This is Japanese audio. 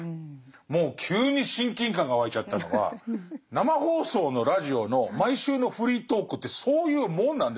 もう急に親近感が湧いちゃったのは生放送のラジオの毎週のフリートークってそういうもんなんですよ。